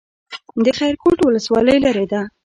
د خیرکوټ ولسوالۍ لیرې ده